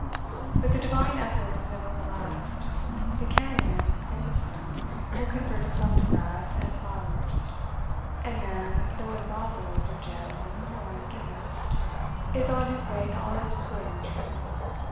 But the divine effort is never relaxed; the carrion in the sun will convert itself to grass and flowers; and man, though in brothels, or jails, or on gibbets, is on his way to all that is good and true.